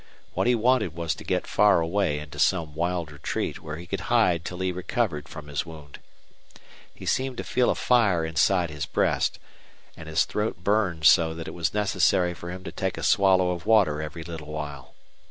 What he wanted was to get far away into some wild retreat where he could hide till he recovered from his wound. He seemed to feel a fire inside his breast, and his throat burned so that it was necessary for him to take a swallow of water every little while.